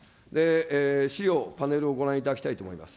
資料、パネルをご覧いただきたいと思います。